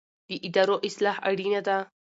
د ادارو اصلاح اړینه ده